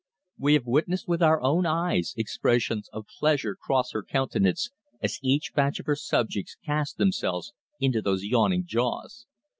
We have witnessed with our own eyes expressions of pleasure cross her countenance as each batch of her subjects cast themselves into those yawning jaws.